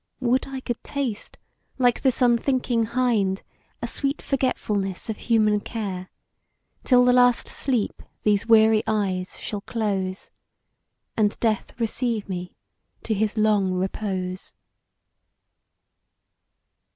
Would I could taste, like this unthinking hind, A sweet forgetfulness of human care, Till the last sleep these weary eyes shall close, And Death receive me to his long repose.